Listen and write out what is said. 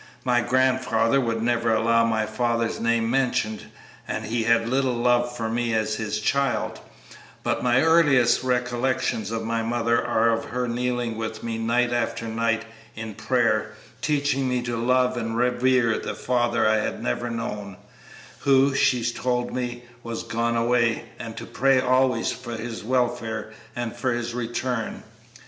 My grandfather would never allow my father's name mentioned, and he had little love for me as his child; but my earliest recollections of my mother are of her kneeling with me night after night in prayer, teaching me to love and revere the father I had never known, who, she told me, was 'gone away,' and to pray always for his welfare and for his return.